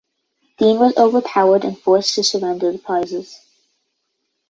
Deane was overpowered and forced to surrender the prizes.